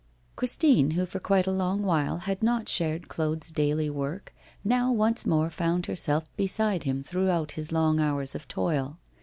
Christine, who for quite a long while had not shared Claude's daily work, now once more found herself beside him throughout his long hours of toil.